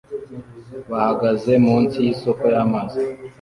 bahagaze munsi yisoko y'amazi